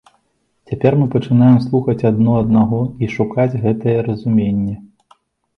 Цяпер мы пачынаем слухаць адно аднаго і шукаць гэтае разуменне.